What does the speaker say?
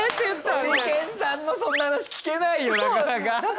ホリケンさんのそんな話聞けないよなかなか。